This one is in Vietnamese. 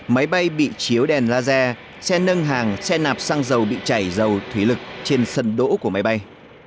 máy bay bị chiếu đèn laser xe nâng hàng xe nạp xăng dầu bị chảy dầu thủy lực trên sân đỗ của máy bay